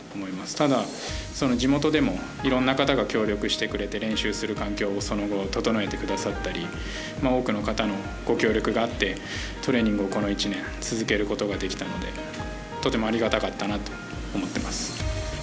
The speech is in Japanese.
ただ、その地元でもいろんな方が協力してくれて練習する環境をその後整えてくださったり多くの方のご協力があってトレーニングをこの１年続けることができたのでとてもありがたかったかなと思っています。